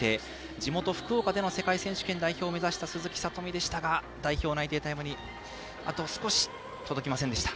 地元・福岡での世界選手権代表を目指した鈴木聡美でしたが代表内定タイムにあと少し届きませんでした。